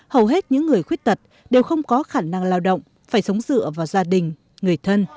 hầu hết những người khuyết tật đều không có khả năng lao động phải sống dựa vào gia đình người thân